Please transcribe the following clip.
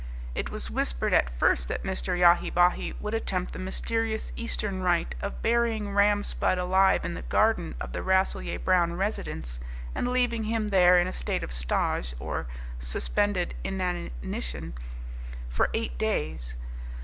It was whispered at first that Mr. Yahi Bahi would attempt the mysterious eastern rite of burying Ram Spudd alive in the garden of the Rasselyer Brown residence and leaving him there in a state of Stoj, or Suspended Inanition, for eight days.